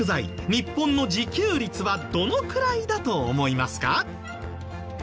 日本の自給率はどのくらいだと思いますか？